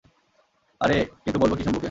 আরে কিন্তু বলবো কী শম্ভুকে?